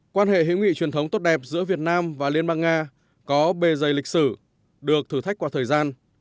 quan hệ hữu nghị truyền thống tốt đẹp giữa việt nam và liên bang nga có bề dày lịch sử được thử thách qua thời gian